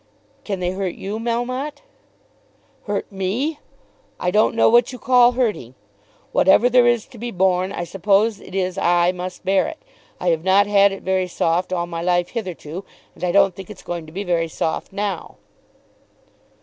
"Can they hurt you, Melmotte?" "Hurt me! I don't know what you call hurting. Whatever there is to be borne, I suppose it is I must bear it. I have not had it very soft all my life hitherto, and I don't think it's going to be very soft now."